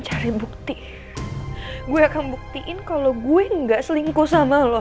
cari bukti gue akan buktiin kalau gue enggak selingkuh sama lo